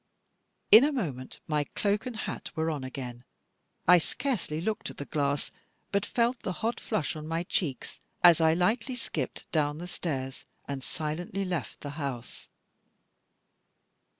In a moment my cloak and hat were on again; I scarcely looked at the glass, but felt the hot flush on my cheeks, as I lightly skipped down the stairs, and silently left the house.